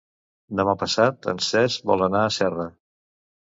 Demà passat en Cesc vol anar a Serra.